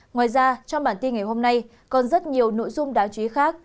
ngoài ra trong bản tin ngày hôm nay còn rất nhiều nội dung đáng chú ý khác